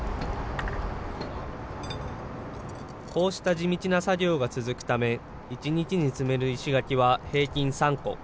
こうした地道な作業が続くため、１日に積める石垣は平均３個。